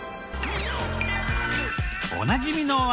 おなじみの味